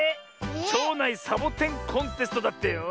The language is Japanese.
ちょうないサボテンコンテストだってよ。